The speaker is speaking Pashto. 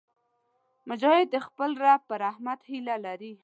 مجاهد د خپل رب په رحمت هیله لري.